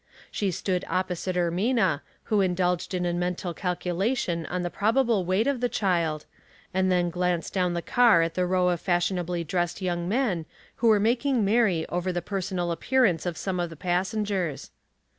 She stood opposite Ermina, who indulged in a mental cal culation on the probable weight of the child, and then glanced down the car at the row of fashionably dressed young men, who were mak ing merry over the personal appearance of some of the passengers.